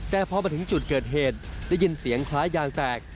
แต่พอมาถึงจุดเกิดเหตุได้ยินเสียงคล้ายยางแตก